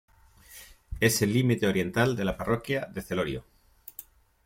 Es el límite oriental de la parroquia de Celorio.